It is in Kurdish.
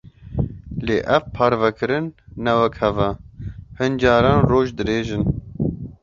Lê ev parvekirin ne wek hev e; hin caran roj dirêj in.